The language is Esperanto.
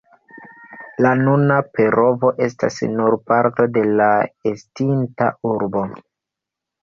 La nuna Perovo estas nur parto de la estinta urbo.